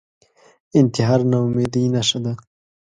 انتحار ناامیدۍ نښه ده